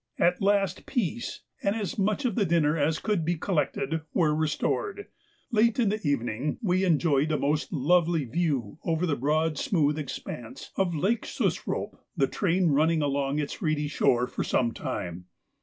At last peace, and as much of the dinner as could be collected, were restored. Late in the evening we enjoyed a most lovely view over the broad smooth expanse of Lake Shusroap, the train running along its reedy shore for some time.